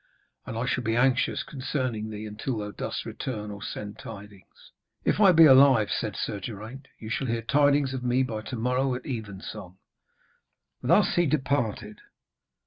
And I shall be anxious concerning thee until thou dost return, or send tidings.' 'If I be alive,' said Sir Geraint, 'you shall hear tidings of me by to morrow at evensong.' Thus he departed.